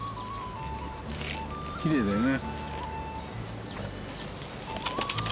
きれいだよね。